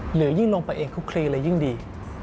หรือยิ่งลงไปเองคุกคลีเลยยิ่งดี